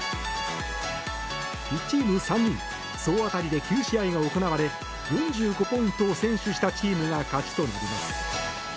１チーム３人総当たりで９試合が行われ４５ポイントを先取したチームが勝ちとなります。